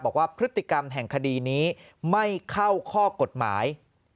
บอกว่าพฤติกรรมแห่งคดีนี้ไม่เข้าข้อกฎหมาย